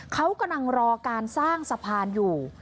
เขากำลังรอการสร้างสะพานอยู่